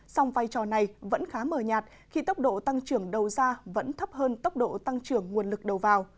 sông vai trò này vẫn khá mờ nhạt khi tốc độ tăng trưởng đầu ra vẫn thấp hơn tốc độ tăng trưởng đầu ra